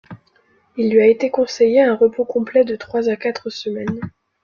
Il lui a été conseillé un repos complet de trois à quatre semaines.